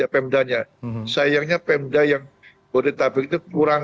pemda yang bodi tabung itu